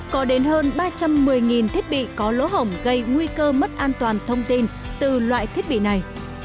có đến hơn ba trăm một mươi thiết bị có lỗ hổng gây nguy cơ mất an toàn thông tin từ loại thiết bị này